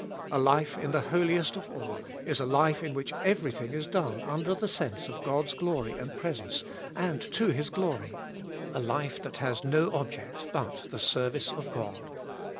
A life in the Holiest of All is a life in which everything is done under the sense of God's glory and presence, and to His glory ; a life that has no object but the service of God.